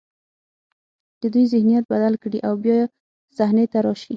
د دوی ذهنیت بدل کړي او بیا صحنې ته راشي.